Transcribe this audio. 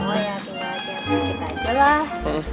oh ya tinggal sedikit aja lah